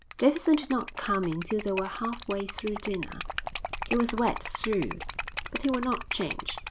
Davidson did not come in till they were half way through dinner. He was wet through, but he would not change.